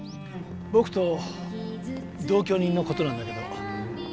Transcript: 僕と同居人のことなんだけど。